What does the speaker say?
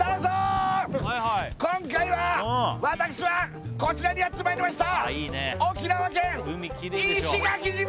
今回は私はこちらにやってまいりました